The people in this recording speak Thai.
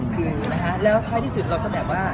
คือนะคะแล้วท้ายที่สุดเราก็แบบว่า